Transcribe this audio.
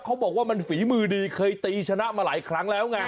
เขาบอกว่ามันฝีมือดีเคยตีชนะมาหลายครั้งแล้วไง